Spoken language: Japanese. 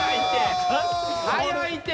早いって。